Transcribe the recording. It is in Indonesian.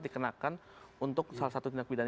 dikenakan untuk salah satu tindak pidana